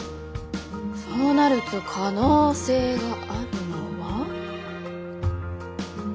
そうなると可能性があるのは？